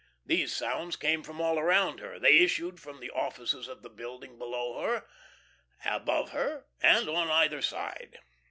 These sounds came from all around her; they issued from the offices of the building below her, above her and on either side.